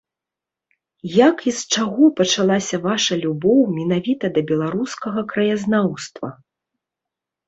Як і з чаго пачалася ваша любоў менавіта да беларускага краязнаўства?